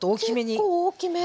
おっ結構大きめ。